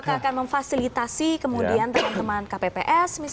apakah akan memfasilitasi kemudian teman teman kpps